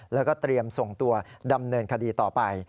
แล้วก็เตรียมส่งตัวดำเนินคดีต่อไป